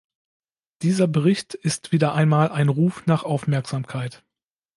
Dieser Bericht ist wieder einmal ein Ruf nach Aufmerksamkeit.